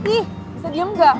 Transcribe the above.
ih bisa diem gak